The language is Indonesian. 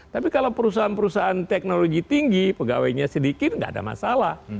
tapi kalau perusahaan perusahaan teknologi tinggi pegawainya sedikit nggak ada masalah